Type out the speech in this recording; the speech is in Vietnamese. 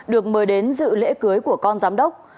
được mời đến dự lễ cưới của con giám đốc